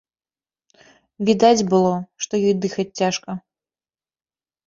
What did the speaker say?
Відаць было, што ёй дыхаць цяжка.